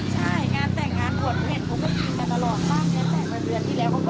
ใช่งานแต่งงานหวดเห็นเขาก็ยิงกันตลอด